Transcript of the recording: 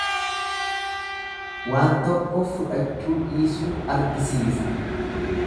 Waan tokko fudhachuu dhiisuu argisiisa.